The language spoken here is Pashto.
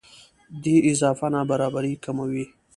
دې اضافه نابرابرۍ کموي.